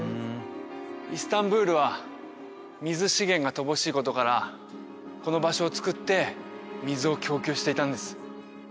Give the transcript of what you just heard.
イスタンブールは水資源が乏しいことからこの場所を造って水を供給していたんです